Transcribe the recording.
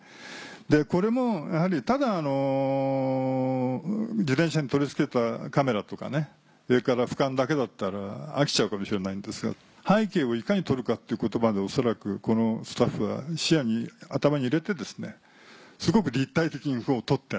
これもやはりただ自転車に取り付けたカメラとか上から俯瞰だけだったら飽きちゃうかもしれないですが背景をいかに撮るかっていうことまで恐らくこのスタッフは視野に頭に入れてすごく立体的に撮って。